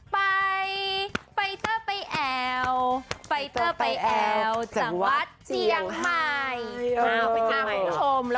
ไปไปเต้อไปแอวไปเต้อไปแอวจากวัดเจียงใหม่